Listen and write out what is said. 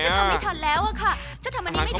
ฉันทำไม่ทันแล้วค่ะฉันทำอันนี้ไม่ทันแล้ว